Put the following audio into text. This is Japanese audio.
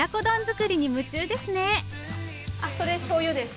それしょうゆです。